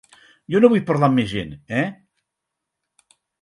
Jo no vull parlar amb més gent, eh?